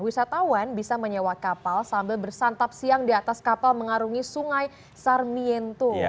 wisatawan bisa menyewa kapal sambil bersantap siang di atas kapal mengarungi sungai sarmiento